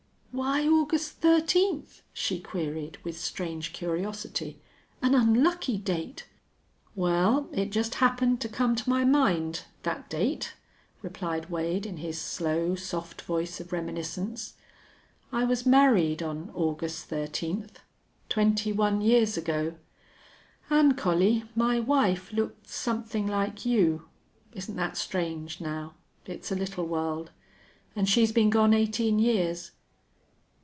"Why August thirteenth?" she queried, with strange curiosity. "An unlucky date!" "Well, it just happened to come to my mind that date," replied Wade, in his slow, soft voice of reminiscence. "I was married on August thirteenth twenty one years ago.... An', Collie, my wife looked somethin' like you. Isn't that strange, now? It's a little world.... An' she's been gone eighteen years!"